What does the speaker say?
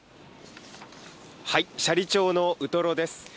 斜里町のウトロです。